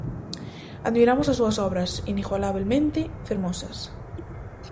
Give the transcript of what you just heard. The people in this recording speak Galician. Admiramos as súas obras, inigualabelmente fermosas.